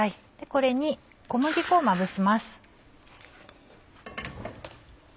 これに小麦粉をまぶします。